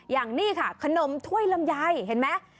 อย่างนี้ค่ะขนมถ้วยลำไยเห็นไหม